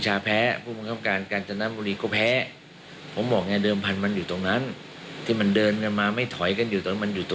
แล้วพอประชาชีมุญแล้วนะมันก็ก็ขึ้นสารปรับปรามการทุจริต